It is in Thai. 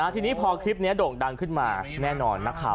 ทีนี้พอคลิปนี้โด่งดังขึ้นมาแน่นอนนักข่าว